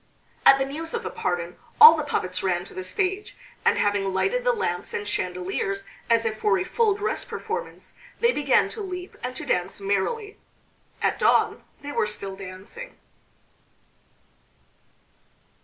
At the news of the pardon all the puppets ran to the stage, and having lighted the lamps and chandeliers as if for a full dress performance, they began to leap and to dance merrily. At dawn they were still dancing.